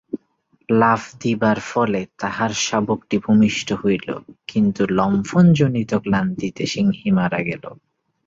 লাফ দিবার ফলে তাহার শাবকটি ভূমিষ্ঠ হইল, কিন্তু লম্ফন-জনিত ক্লান্তিতে সিংহী মারা গেল।